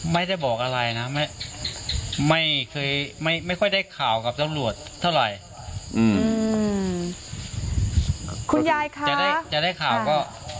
ไม่ได้บอกอะไรนะไม่ค่อยได้ข่ากับตำรวจเท่าไหร่อืมคุณยายค่ะจะได้ข่าก็